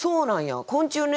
昆虫ね